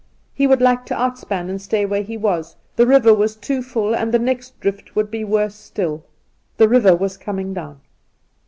He would like to outspan and stay where he was — the river was too full, and the next drift would be worse still. The river was coming down.